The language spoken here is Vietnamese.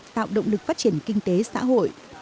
tạo động lực phát triển kinh tế xã hội